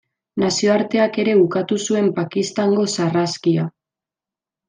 Nazioarteak ere ukatu zuen Pakistango sarraskia.